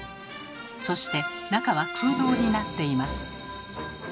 そして中は空洞になっています。